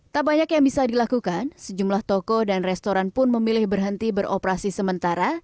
tak banyak yang bisa dilakukan sejumlah toko dan restoran pun memilih berhenti beroperasi sementara